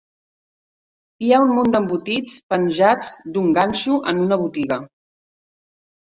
Hi ha un munt d'embotits penjats d'un ganxo en una botiga.